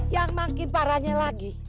yang makin parahnya lagi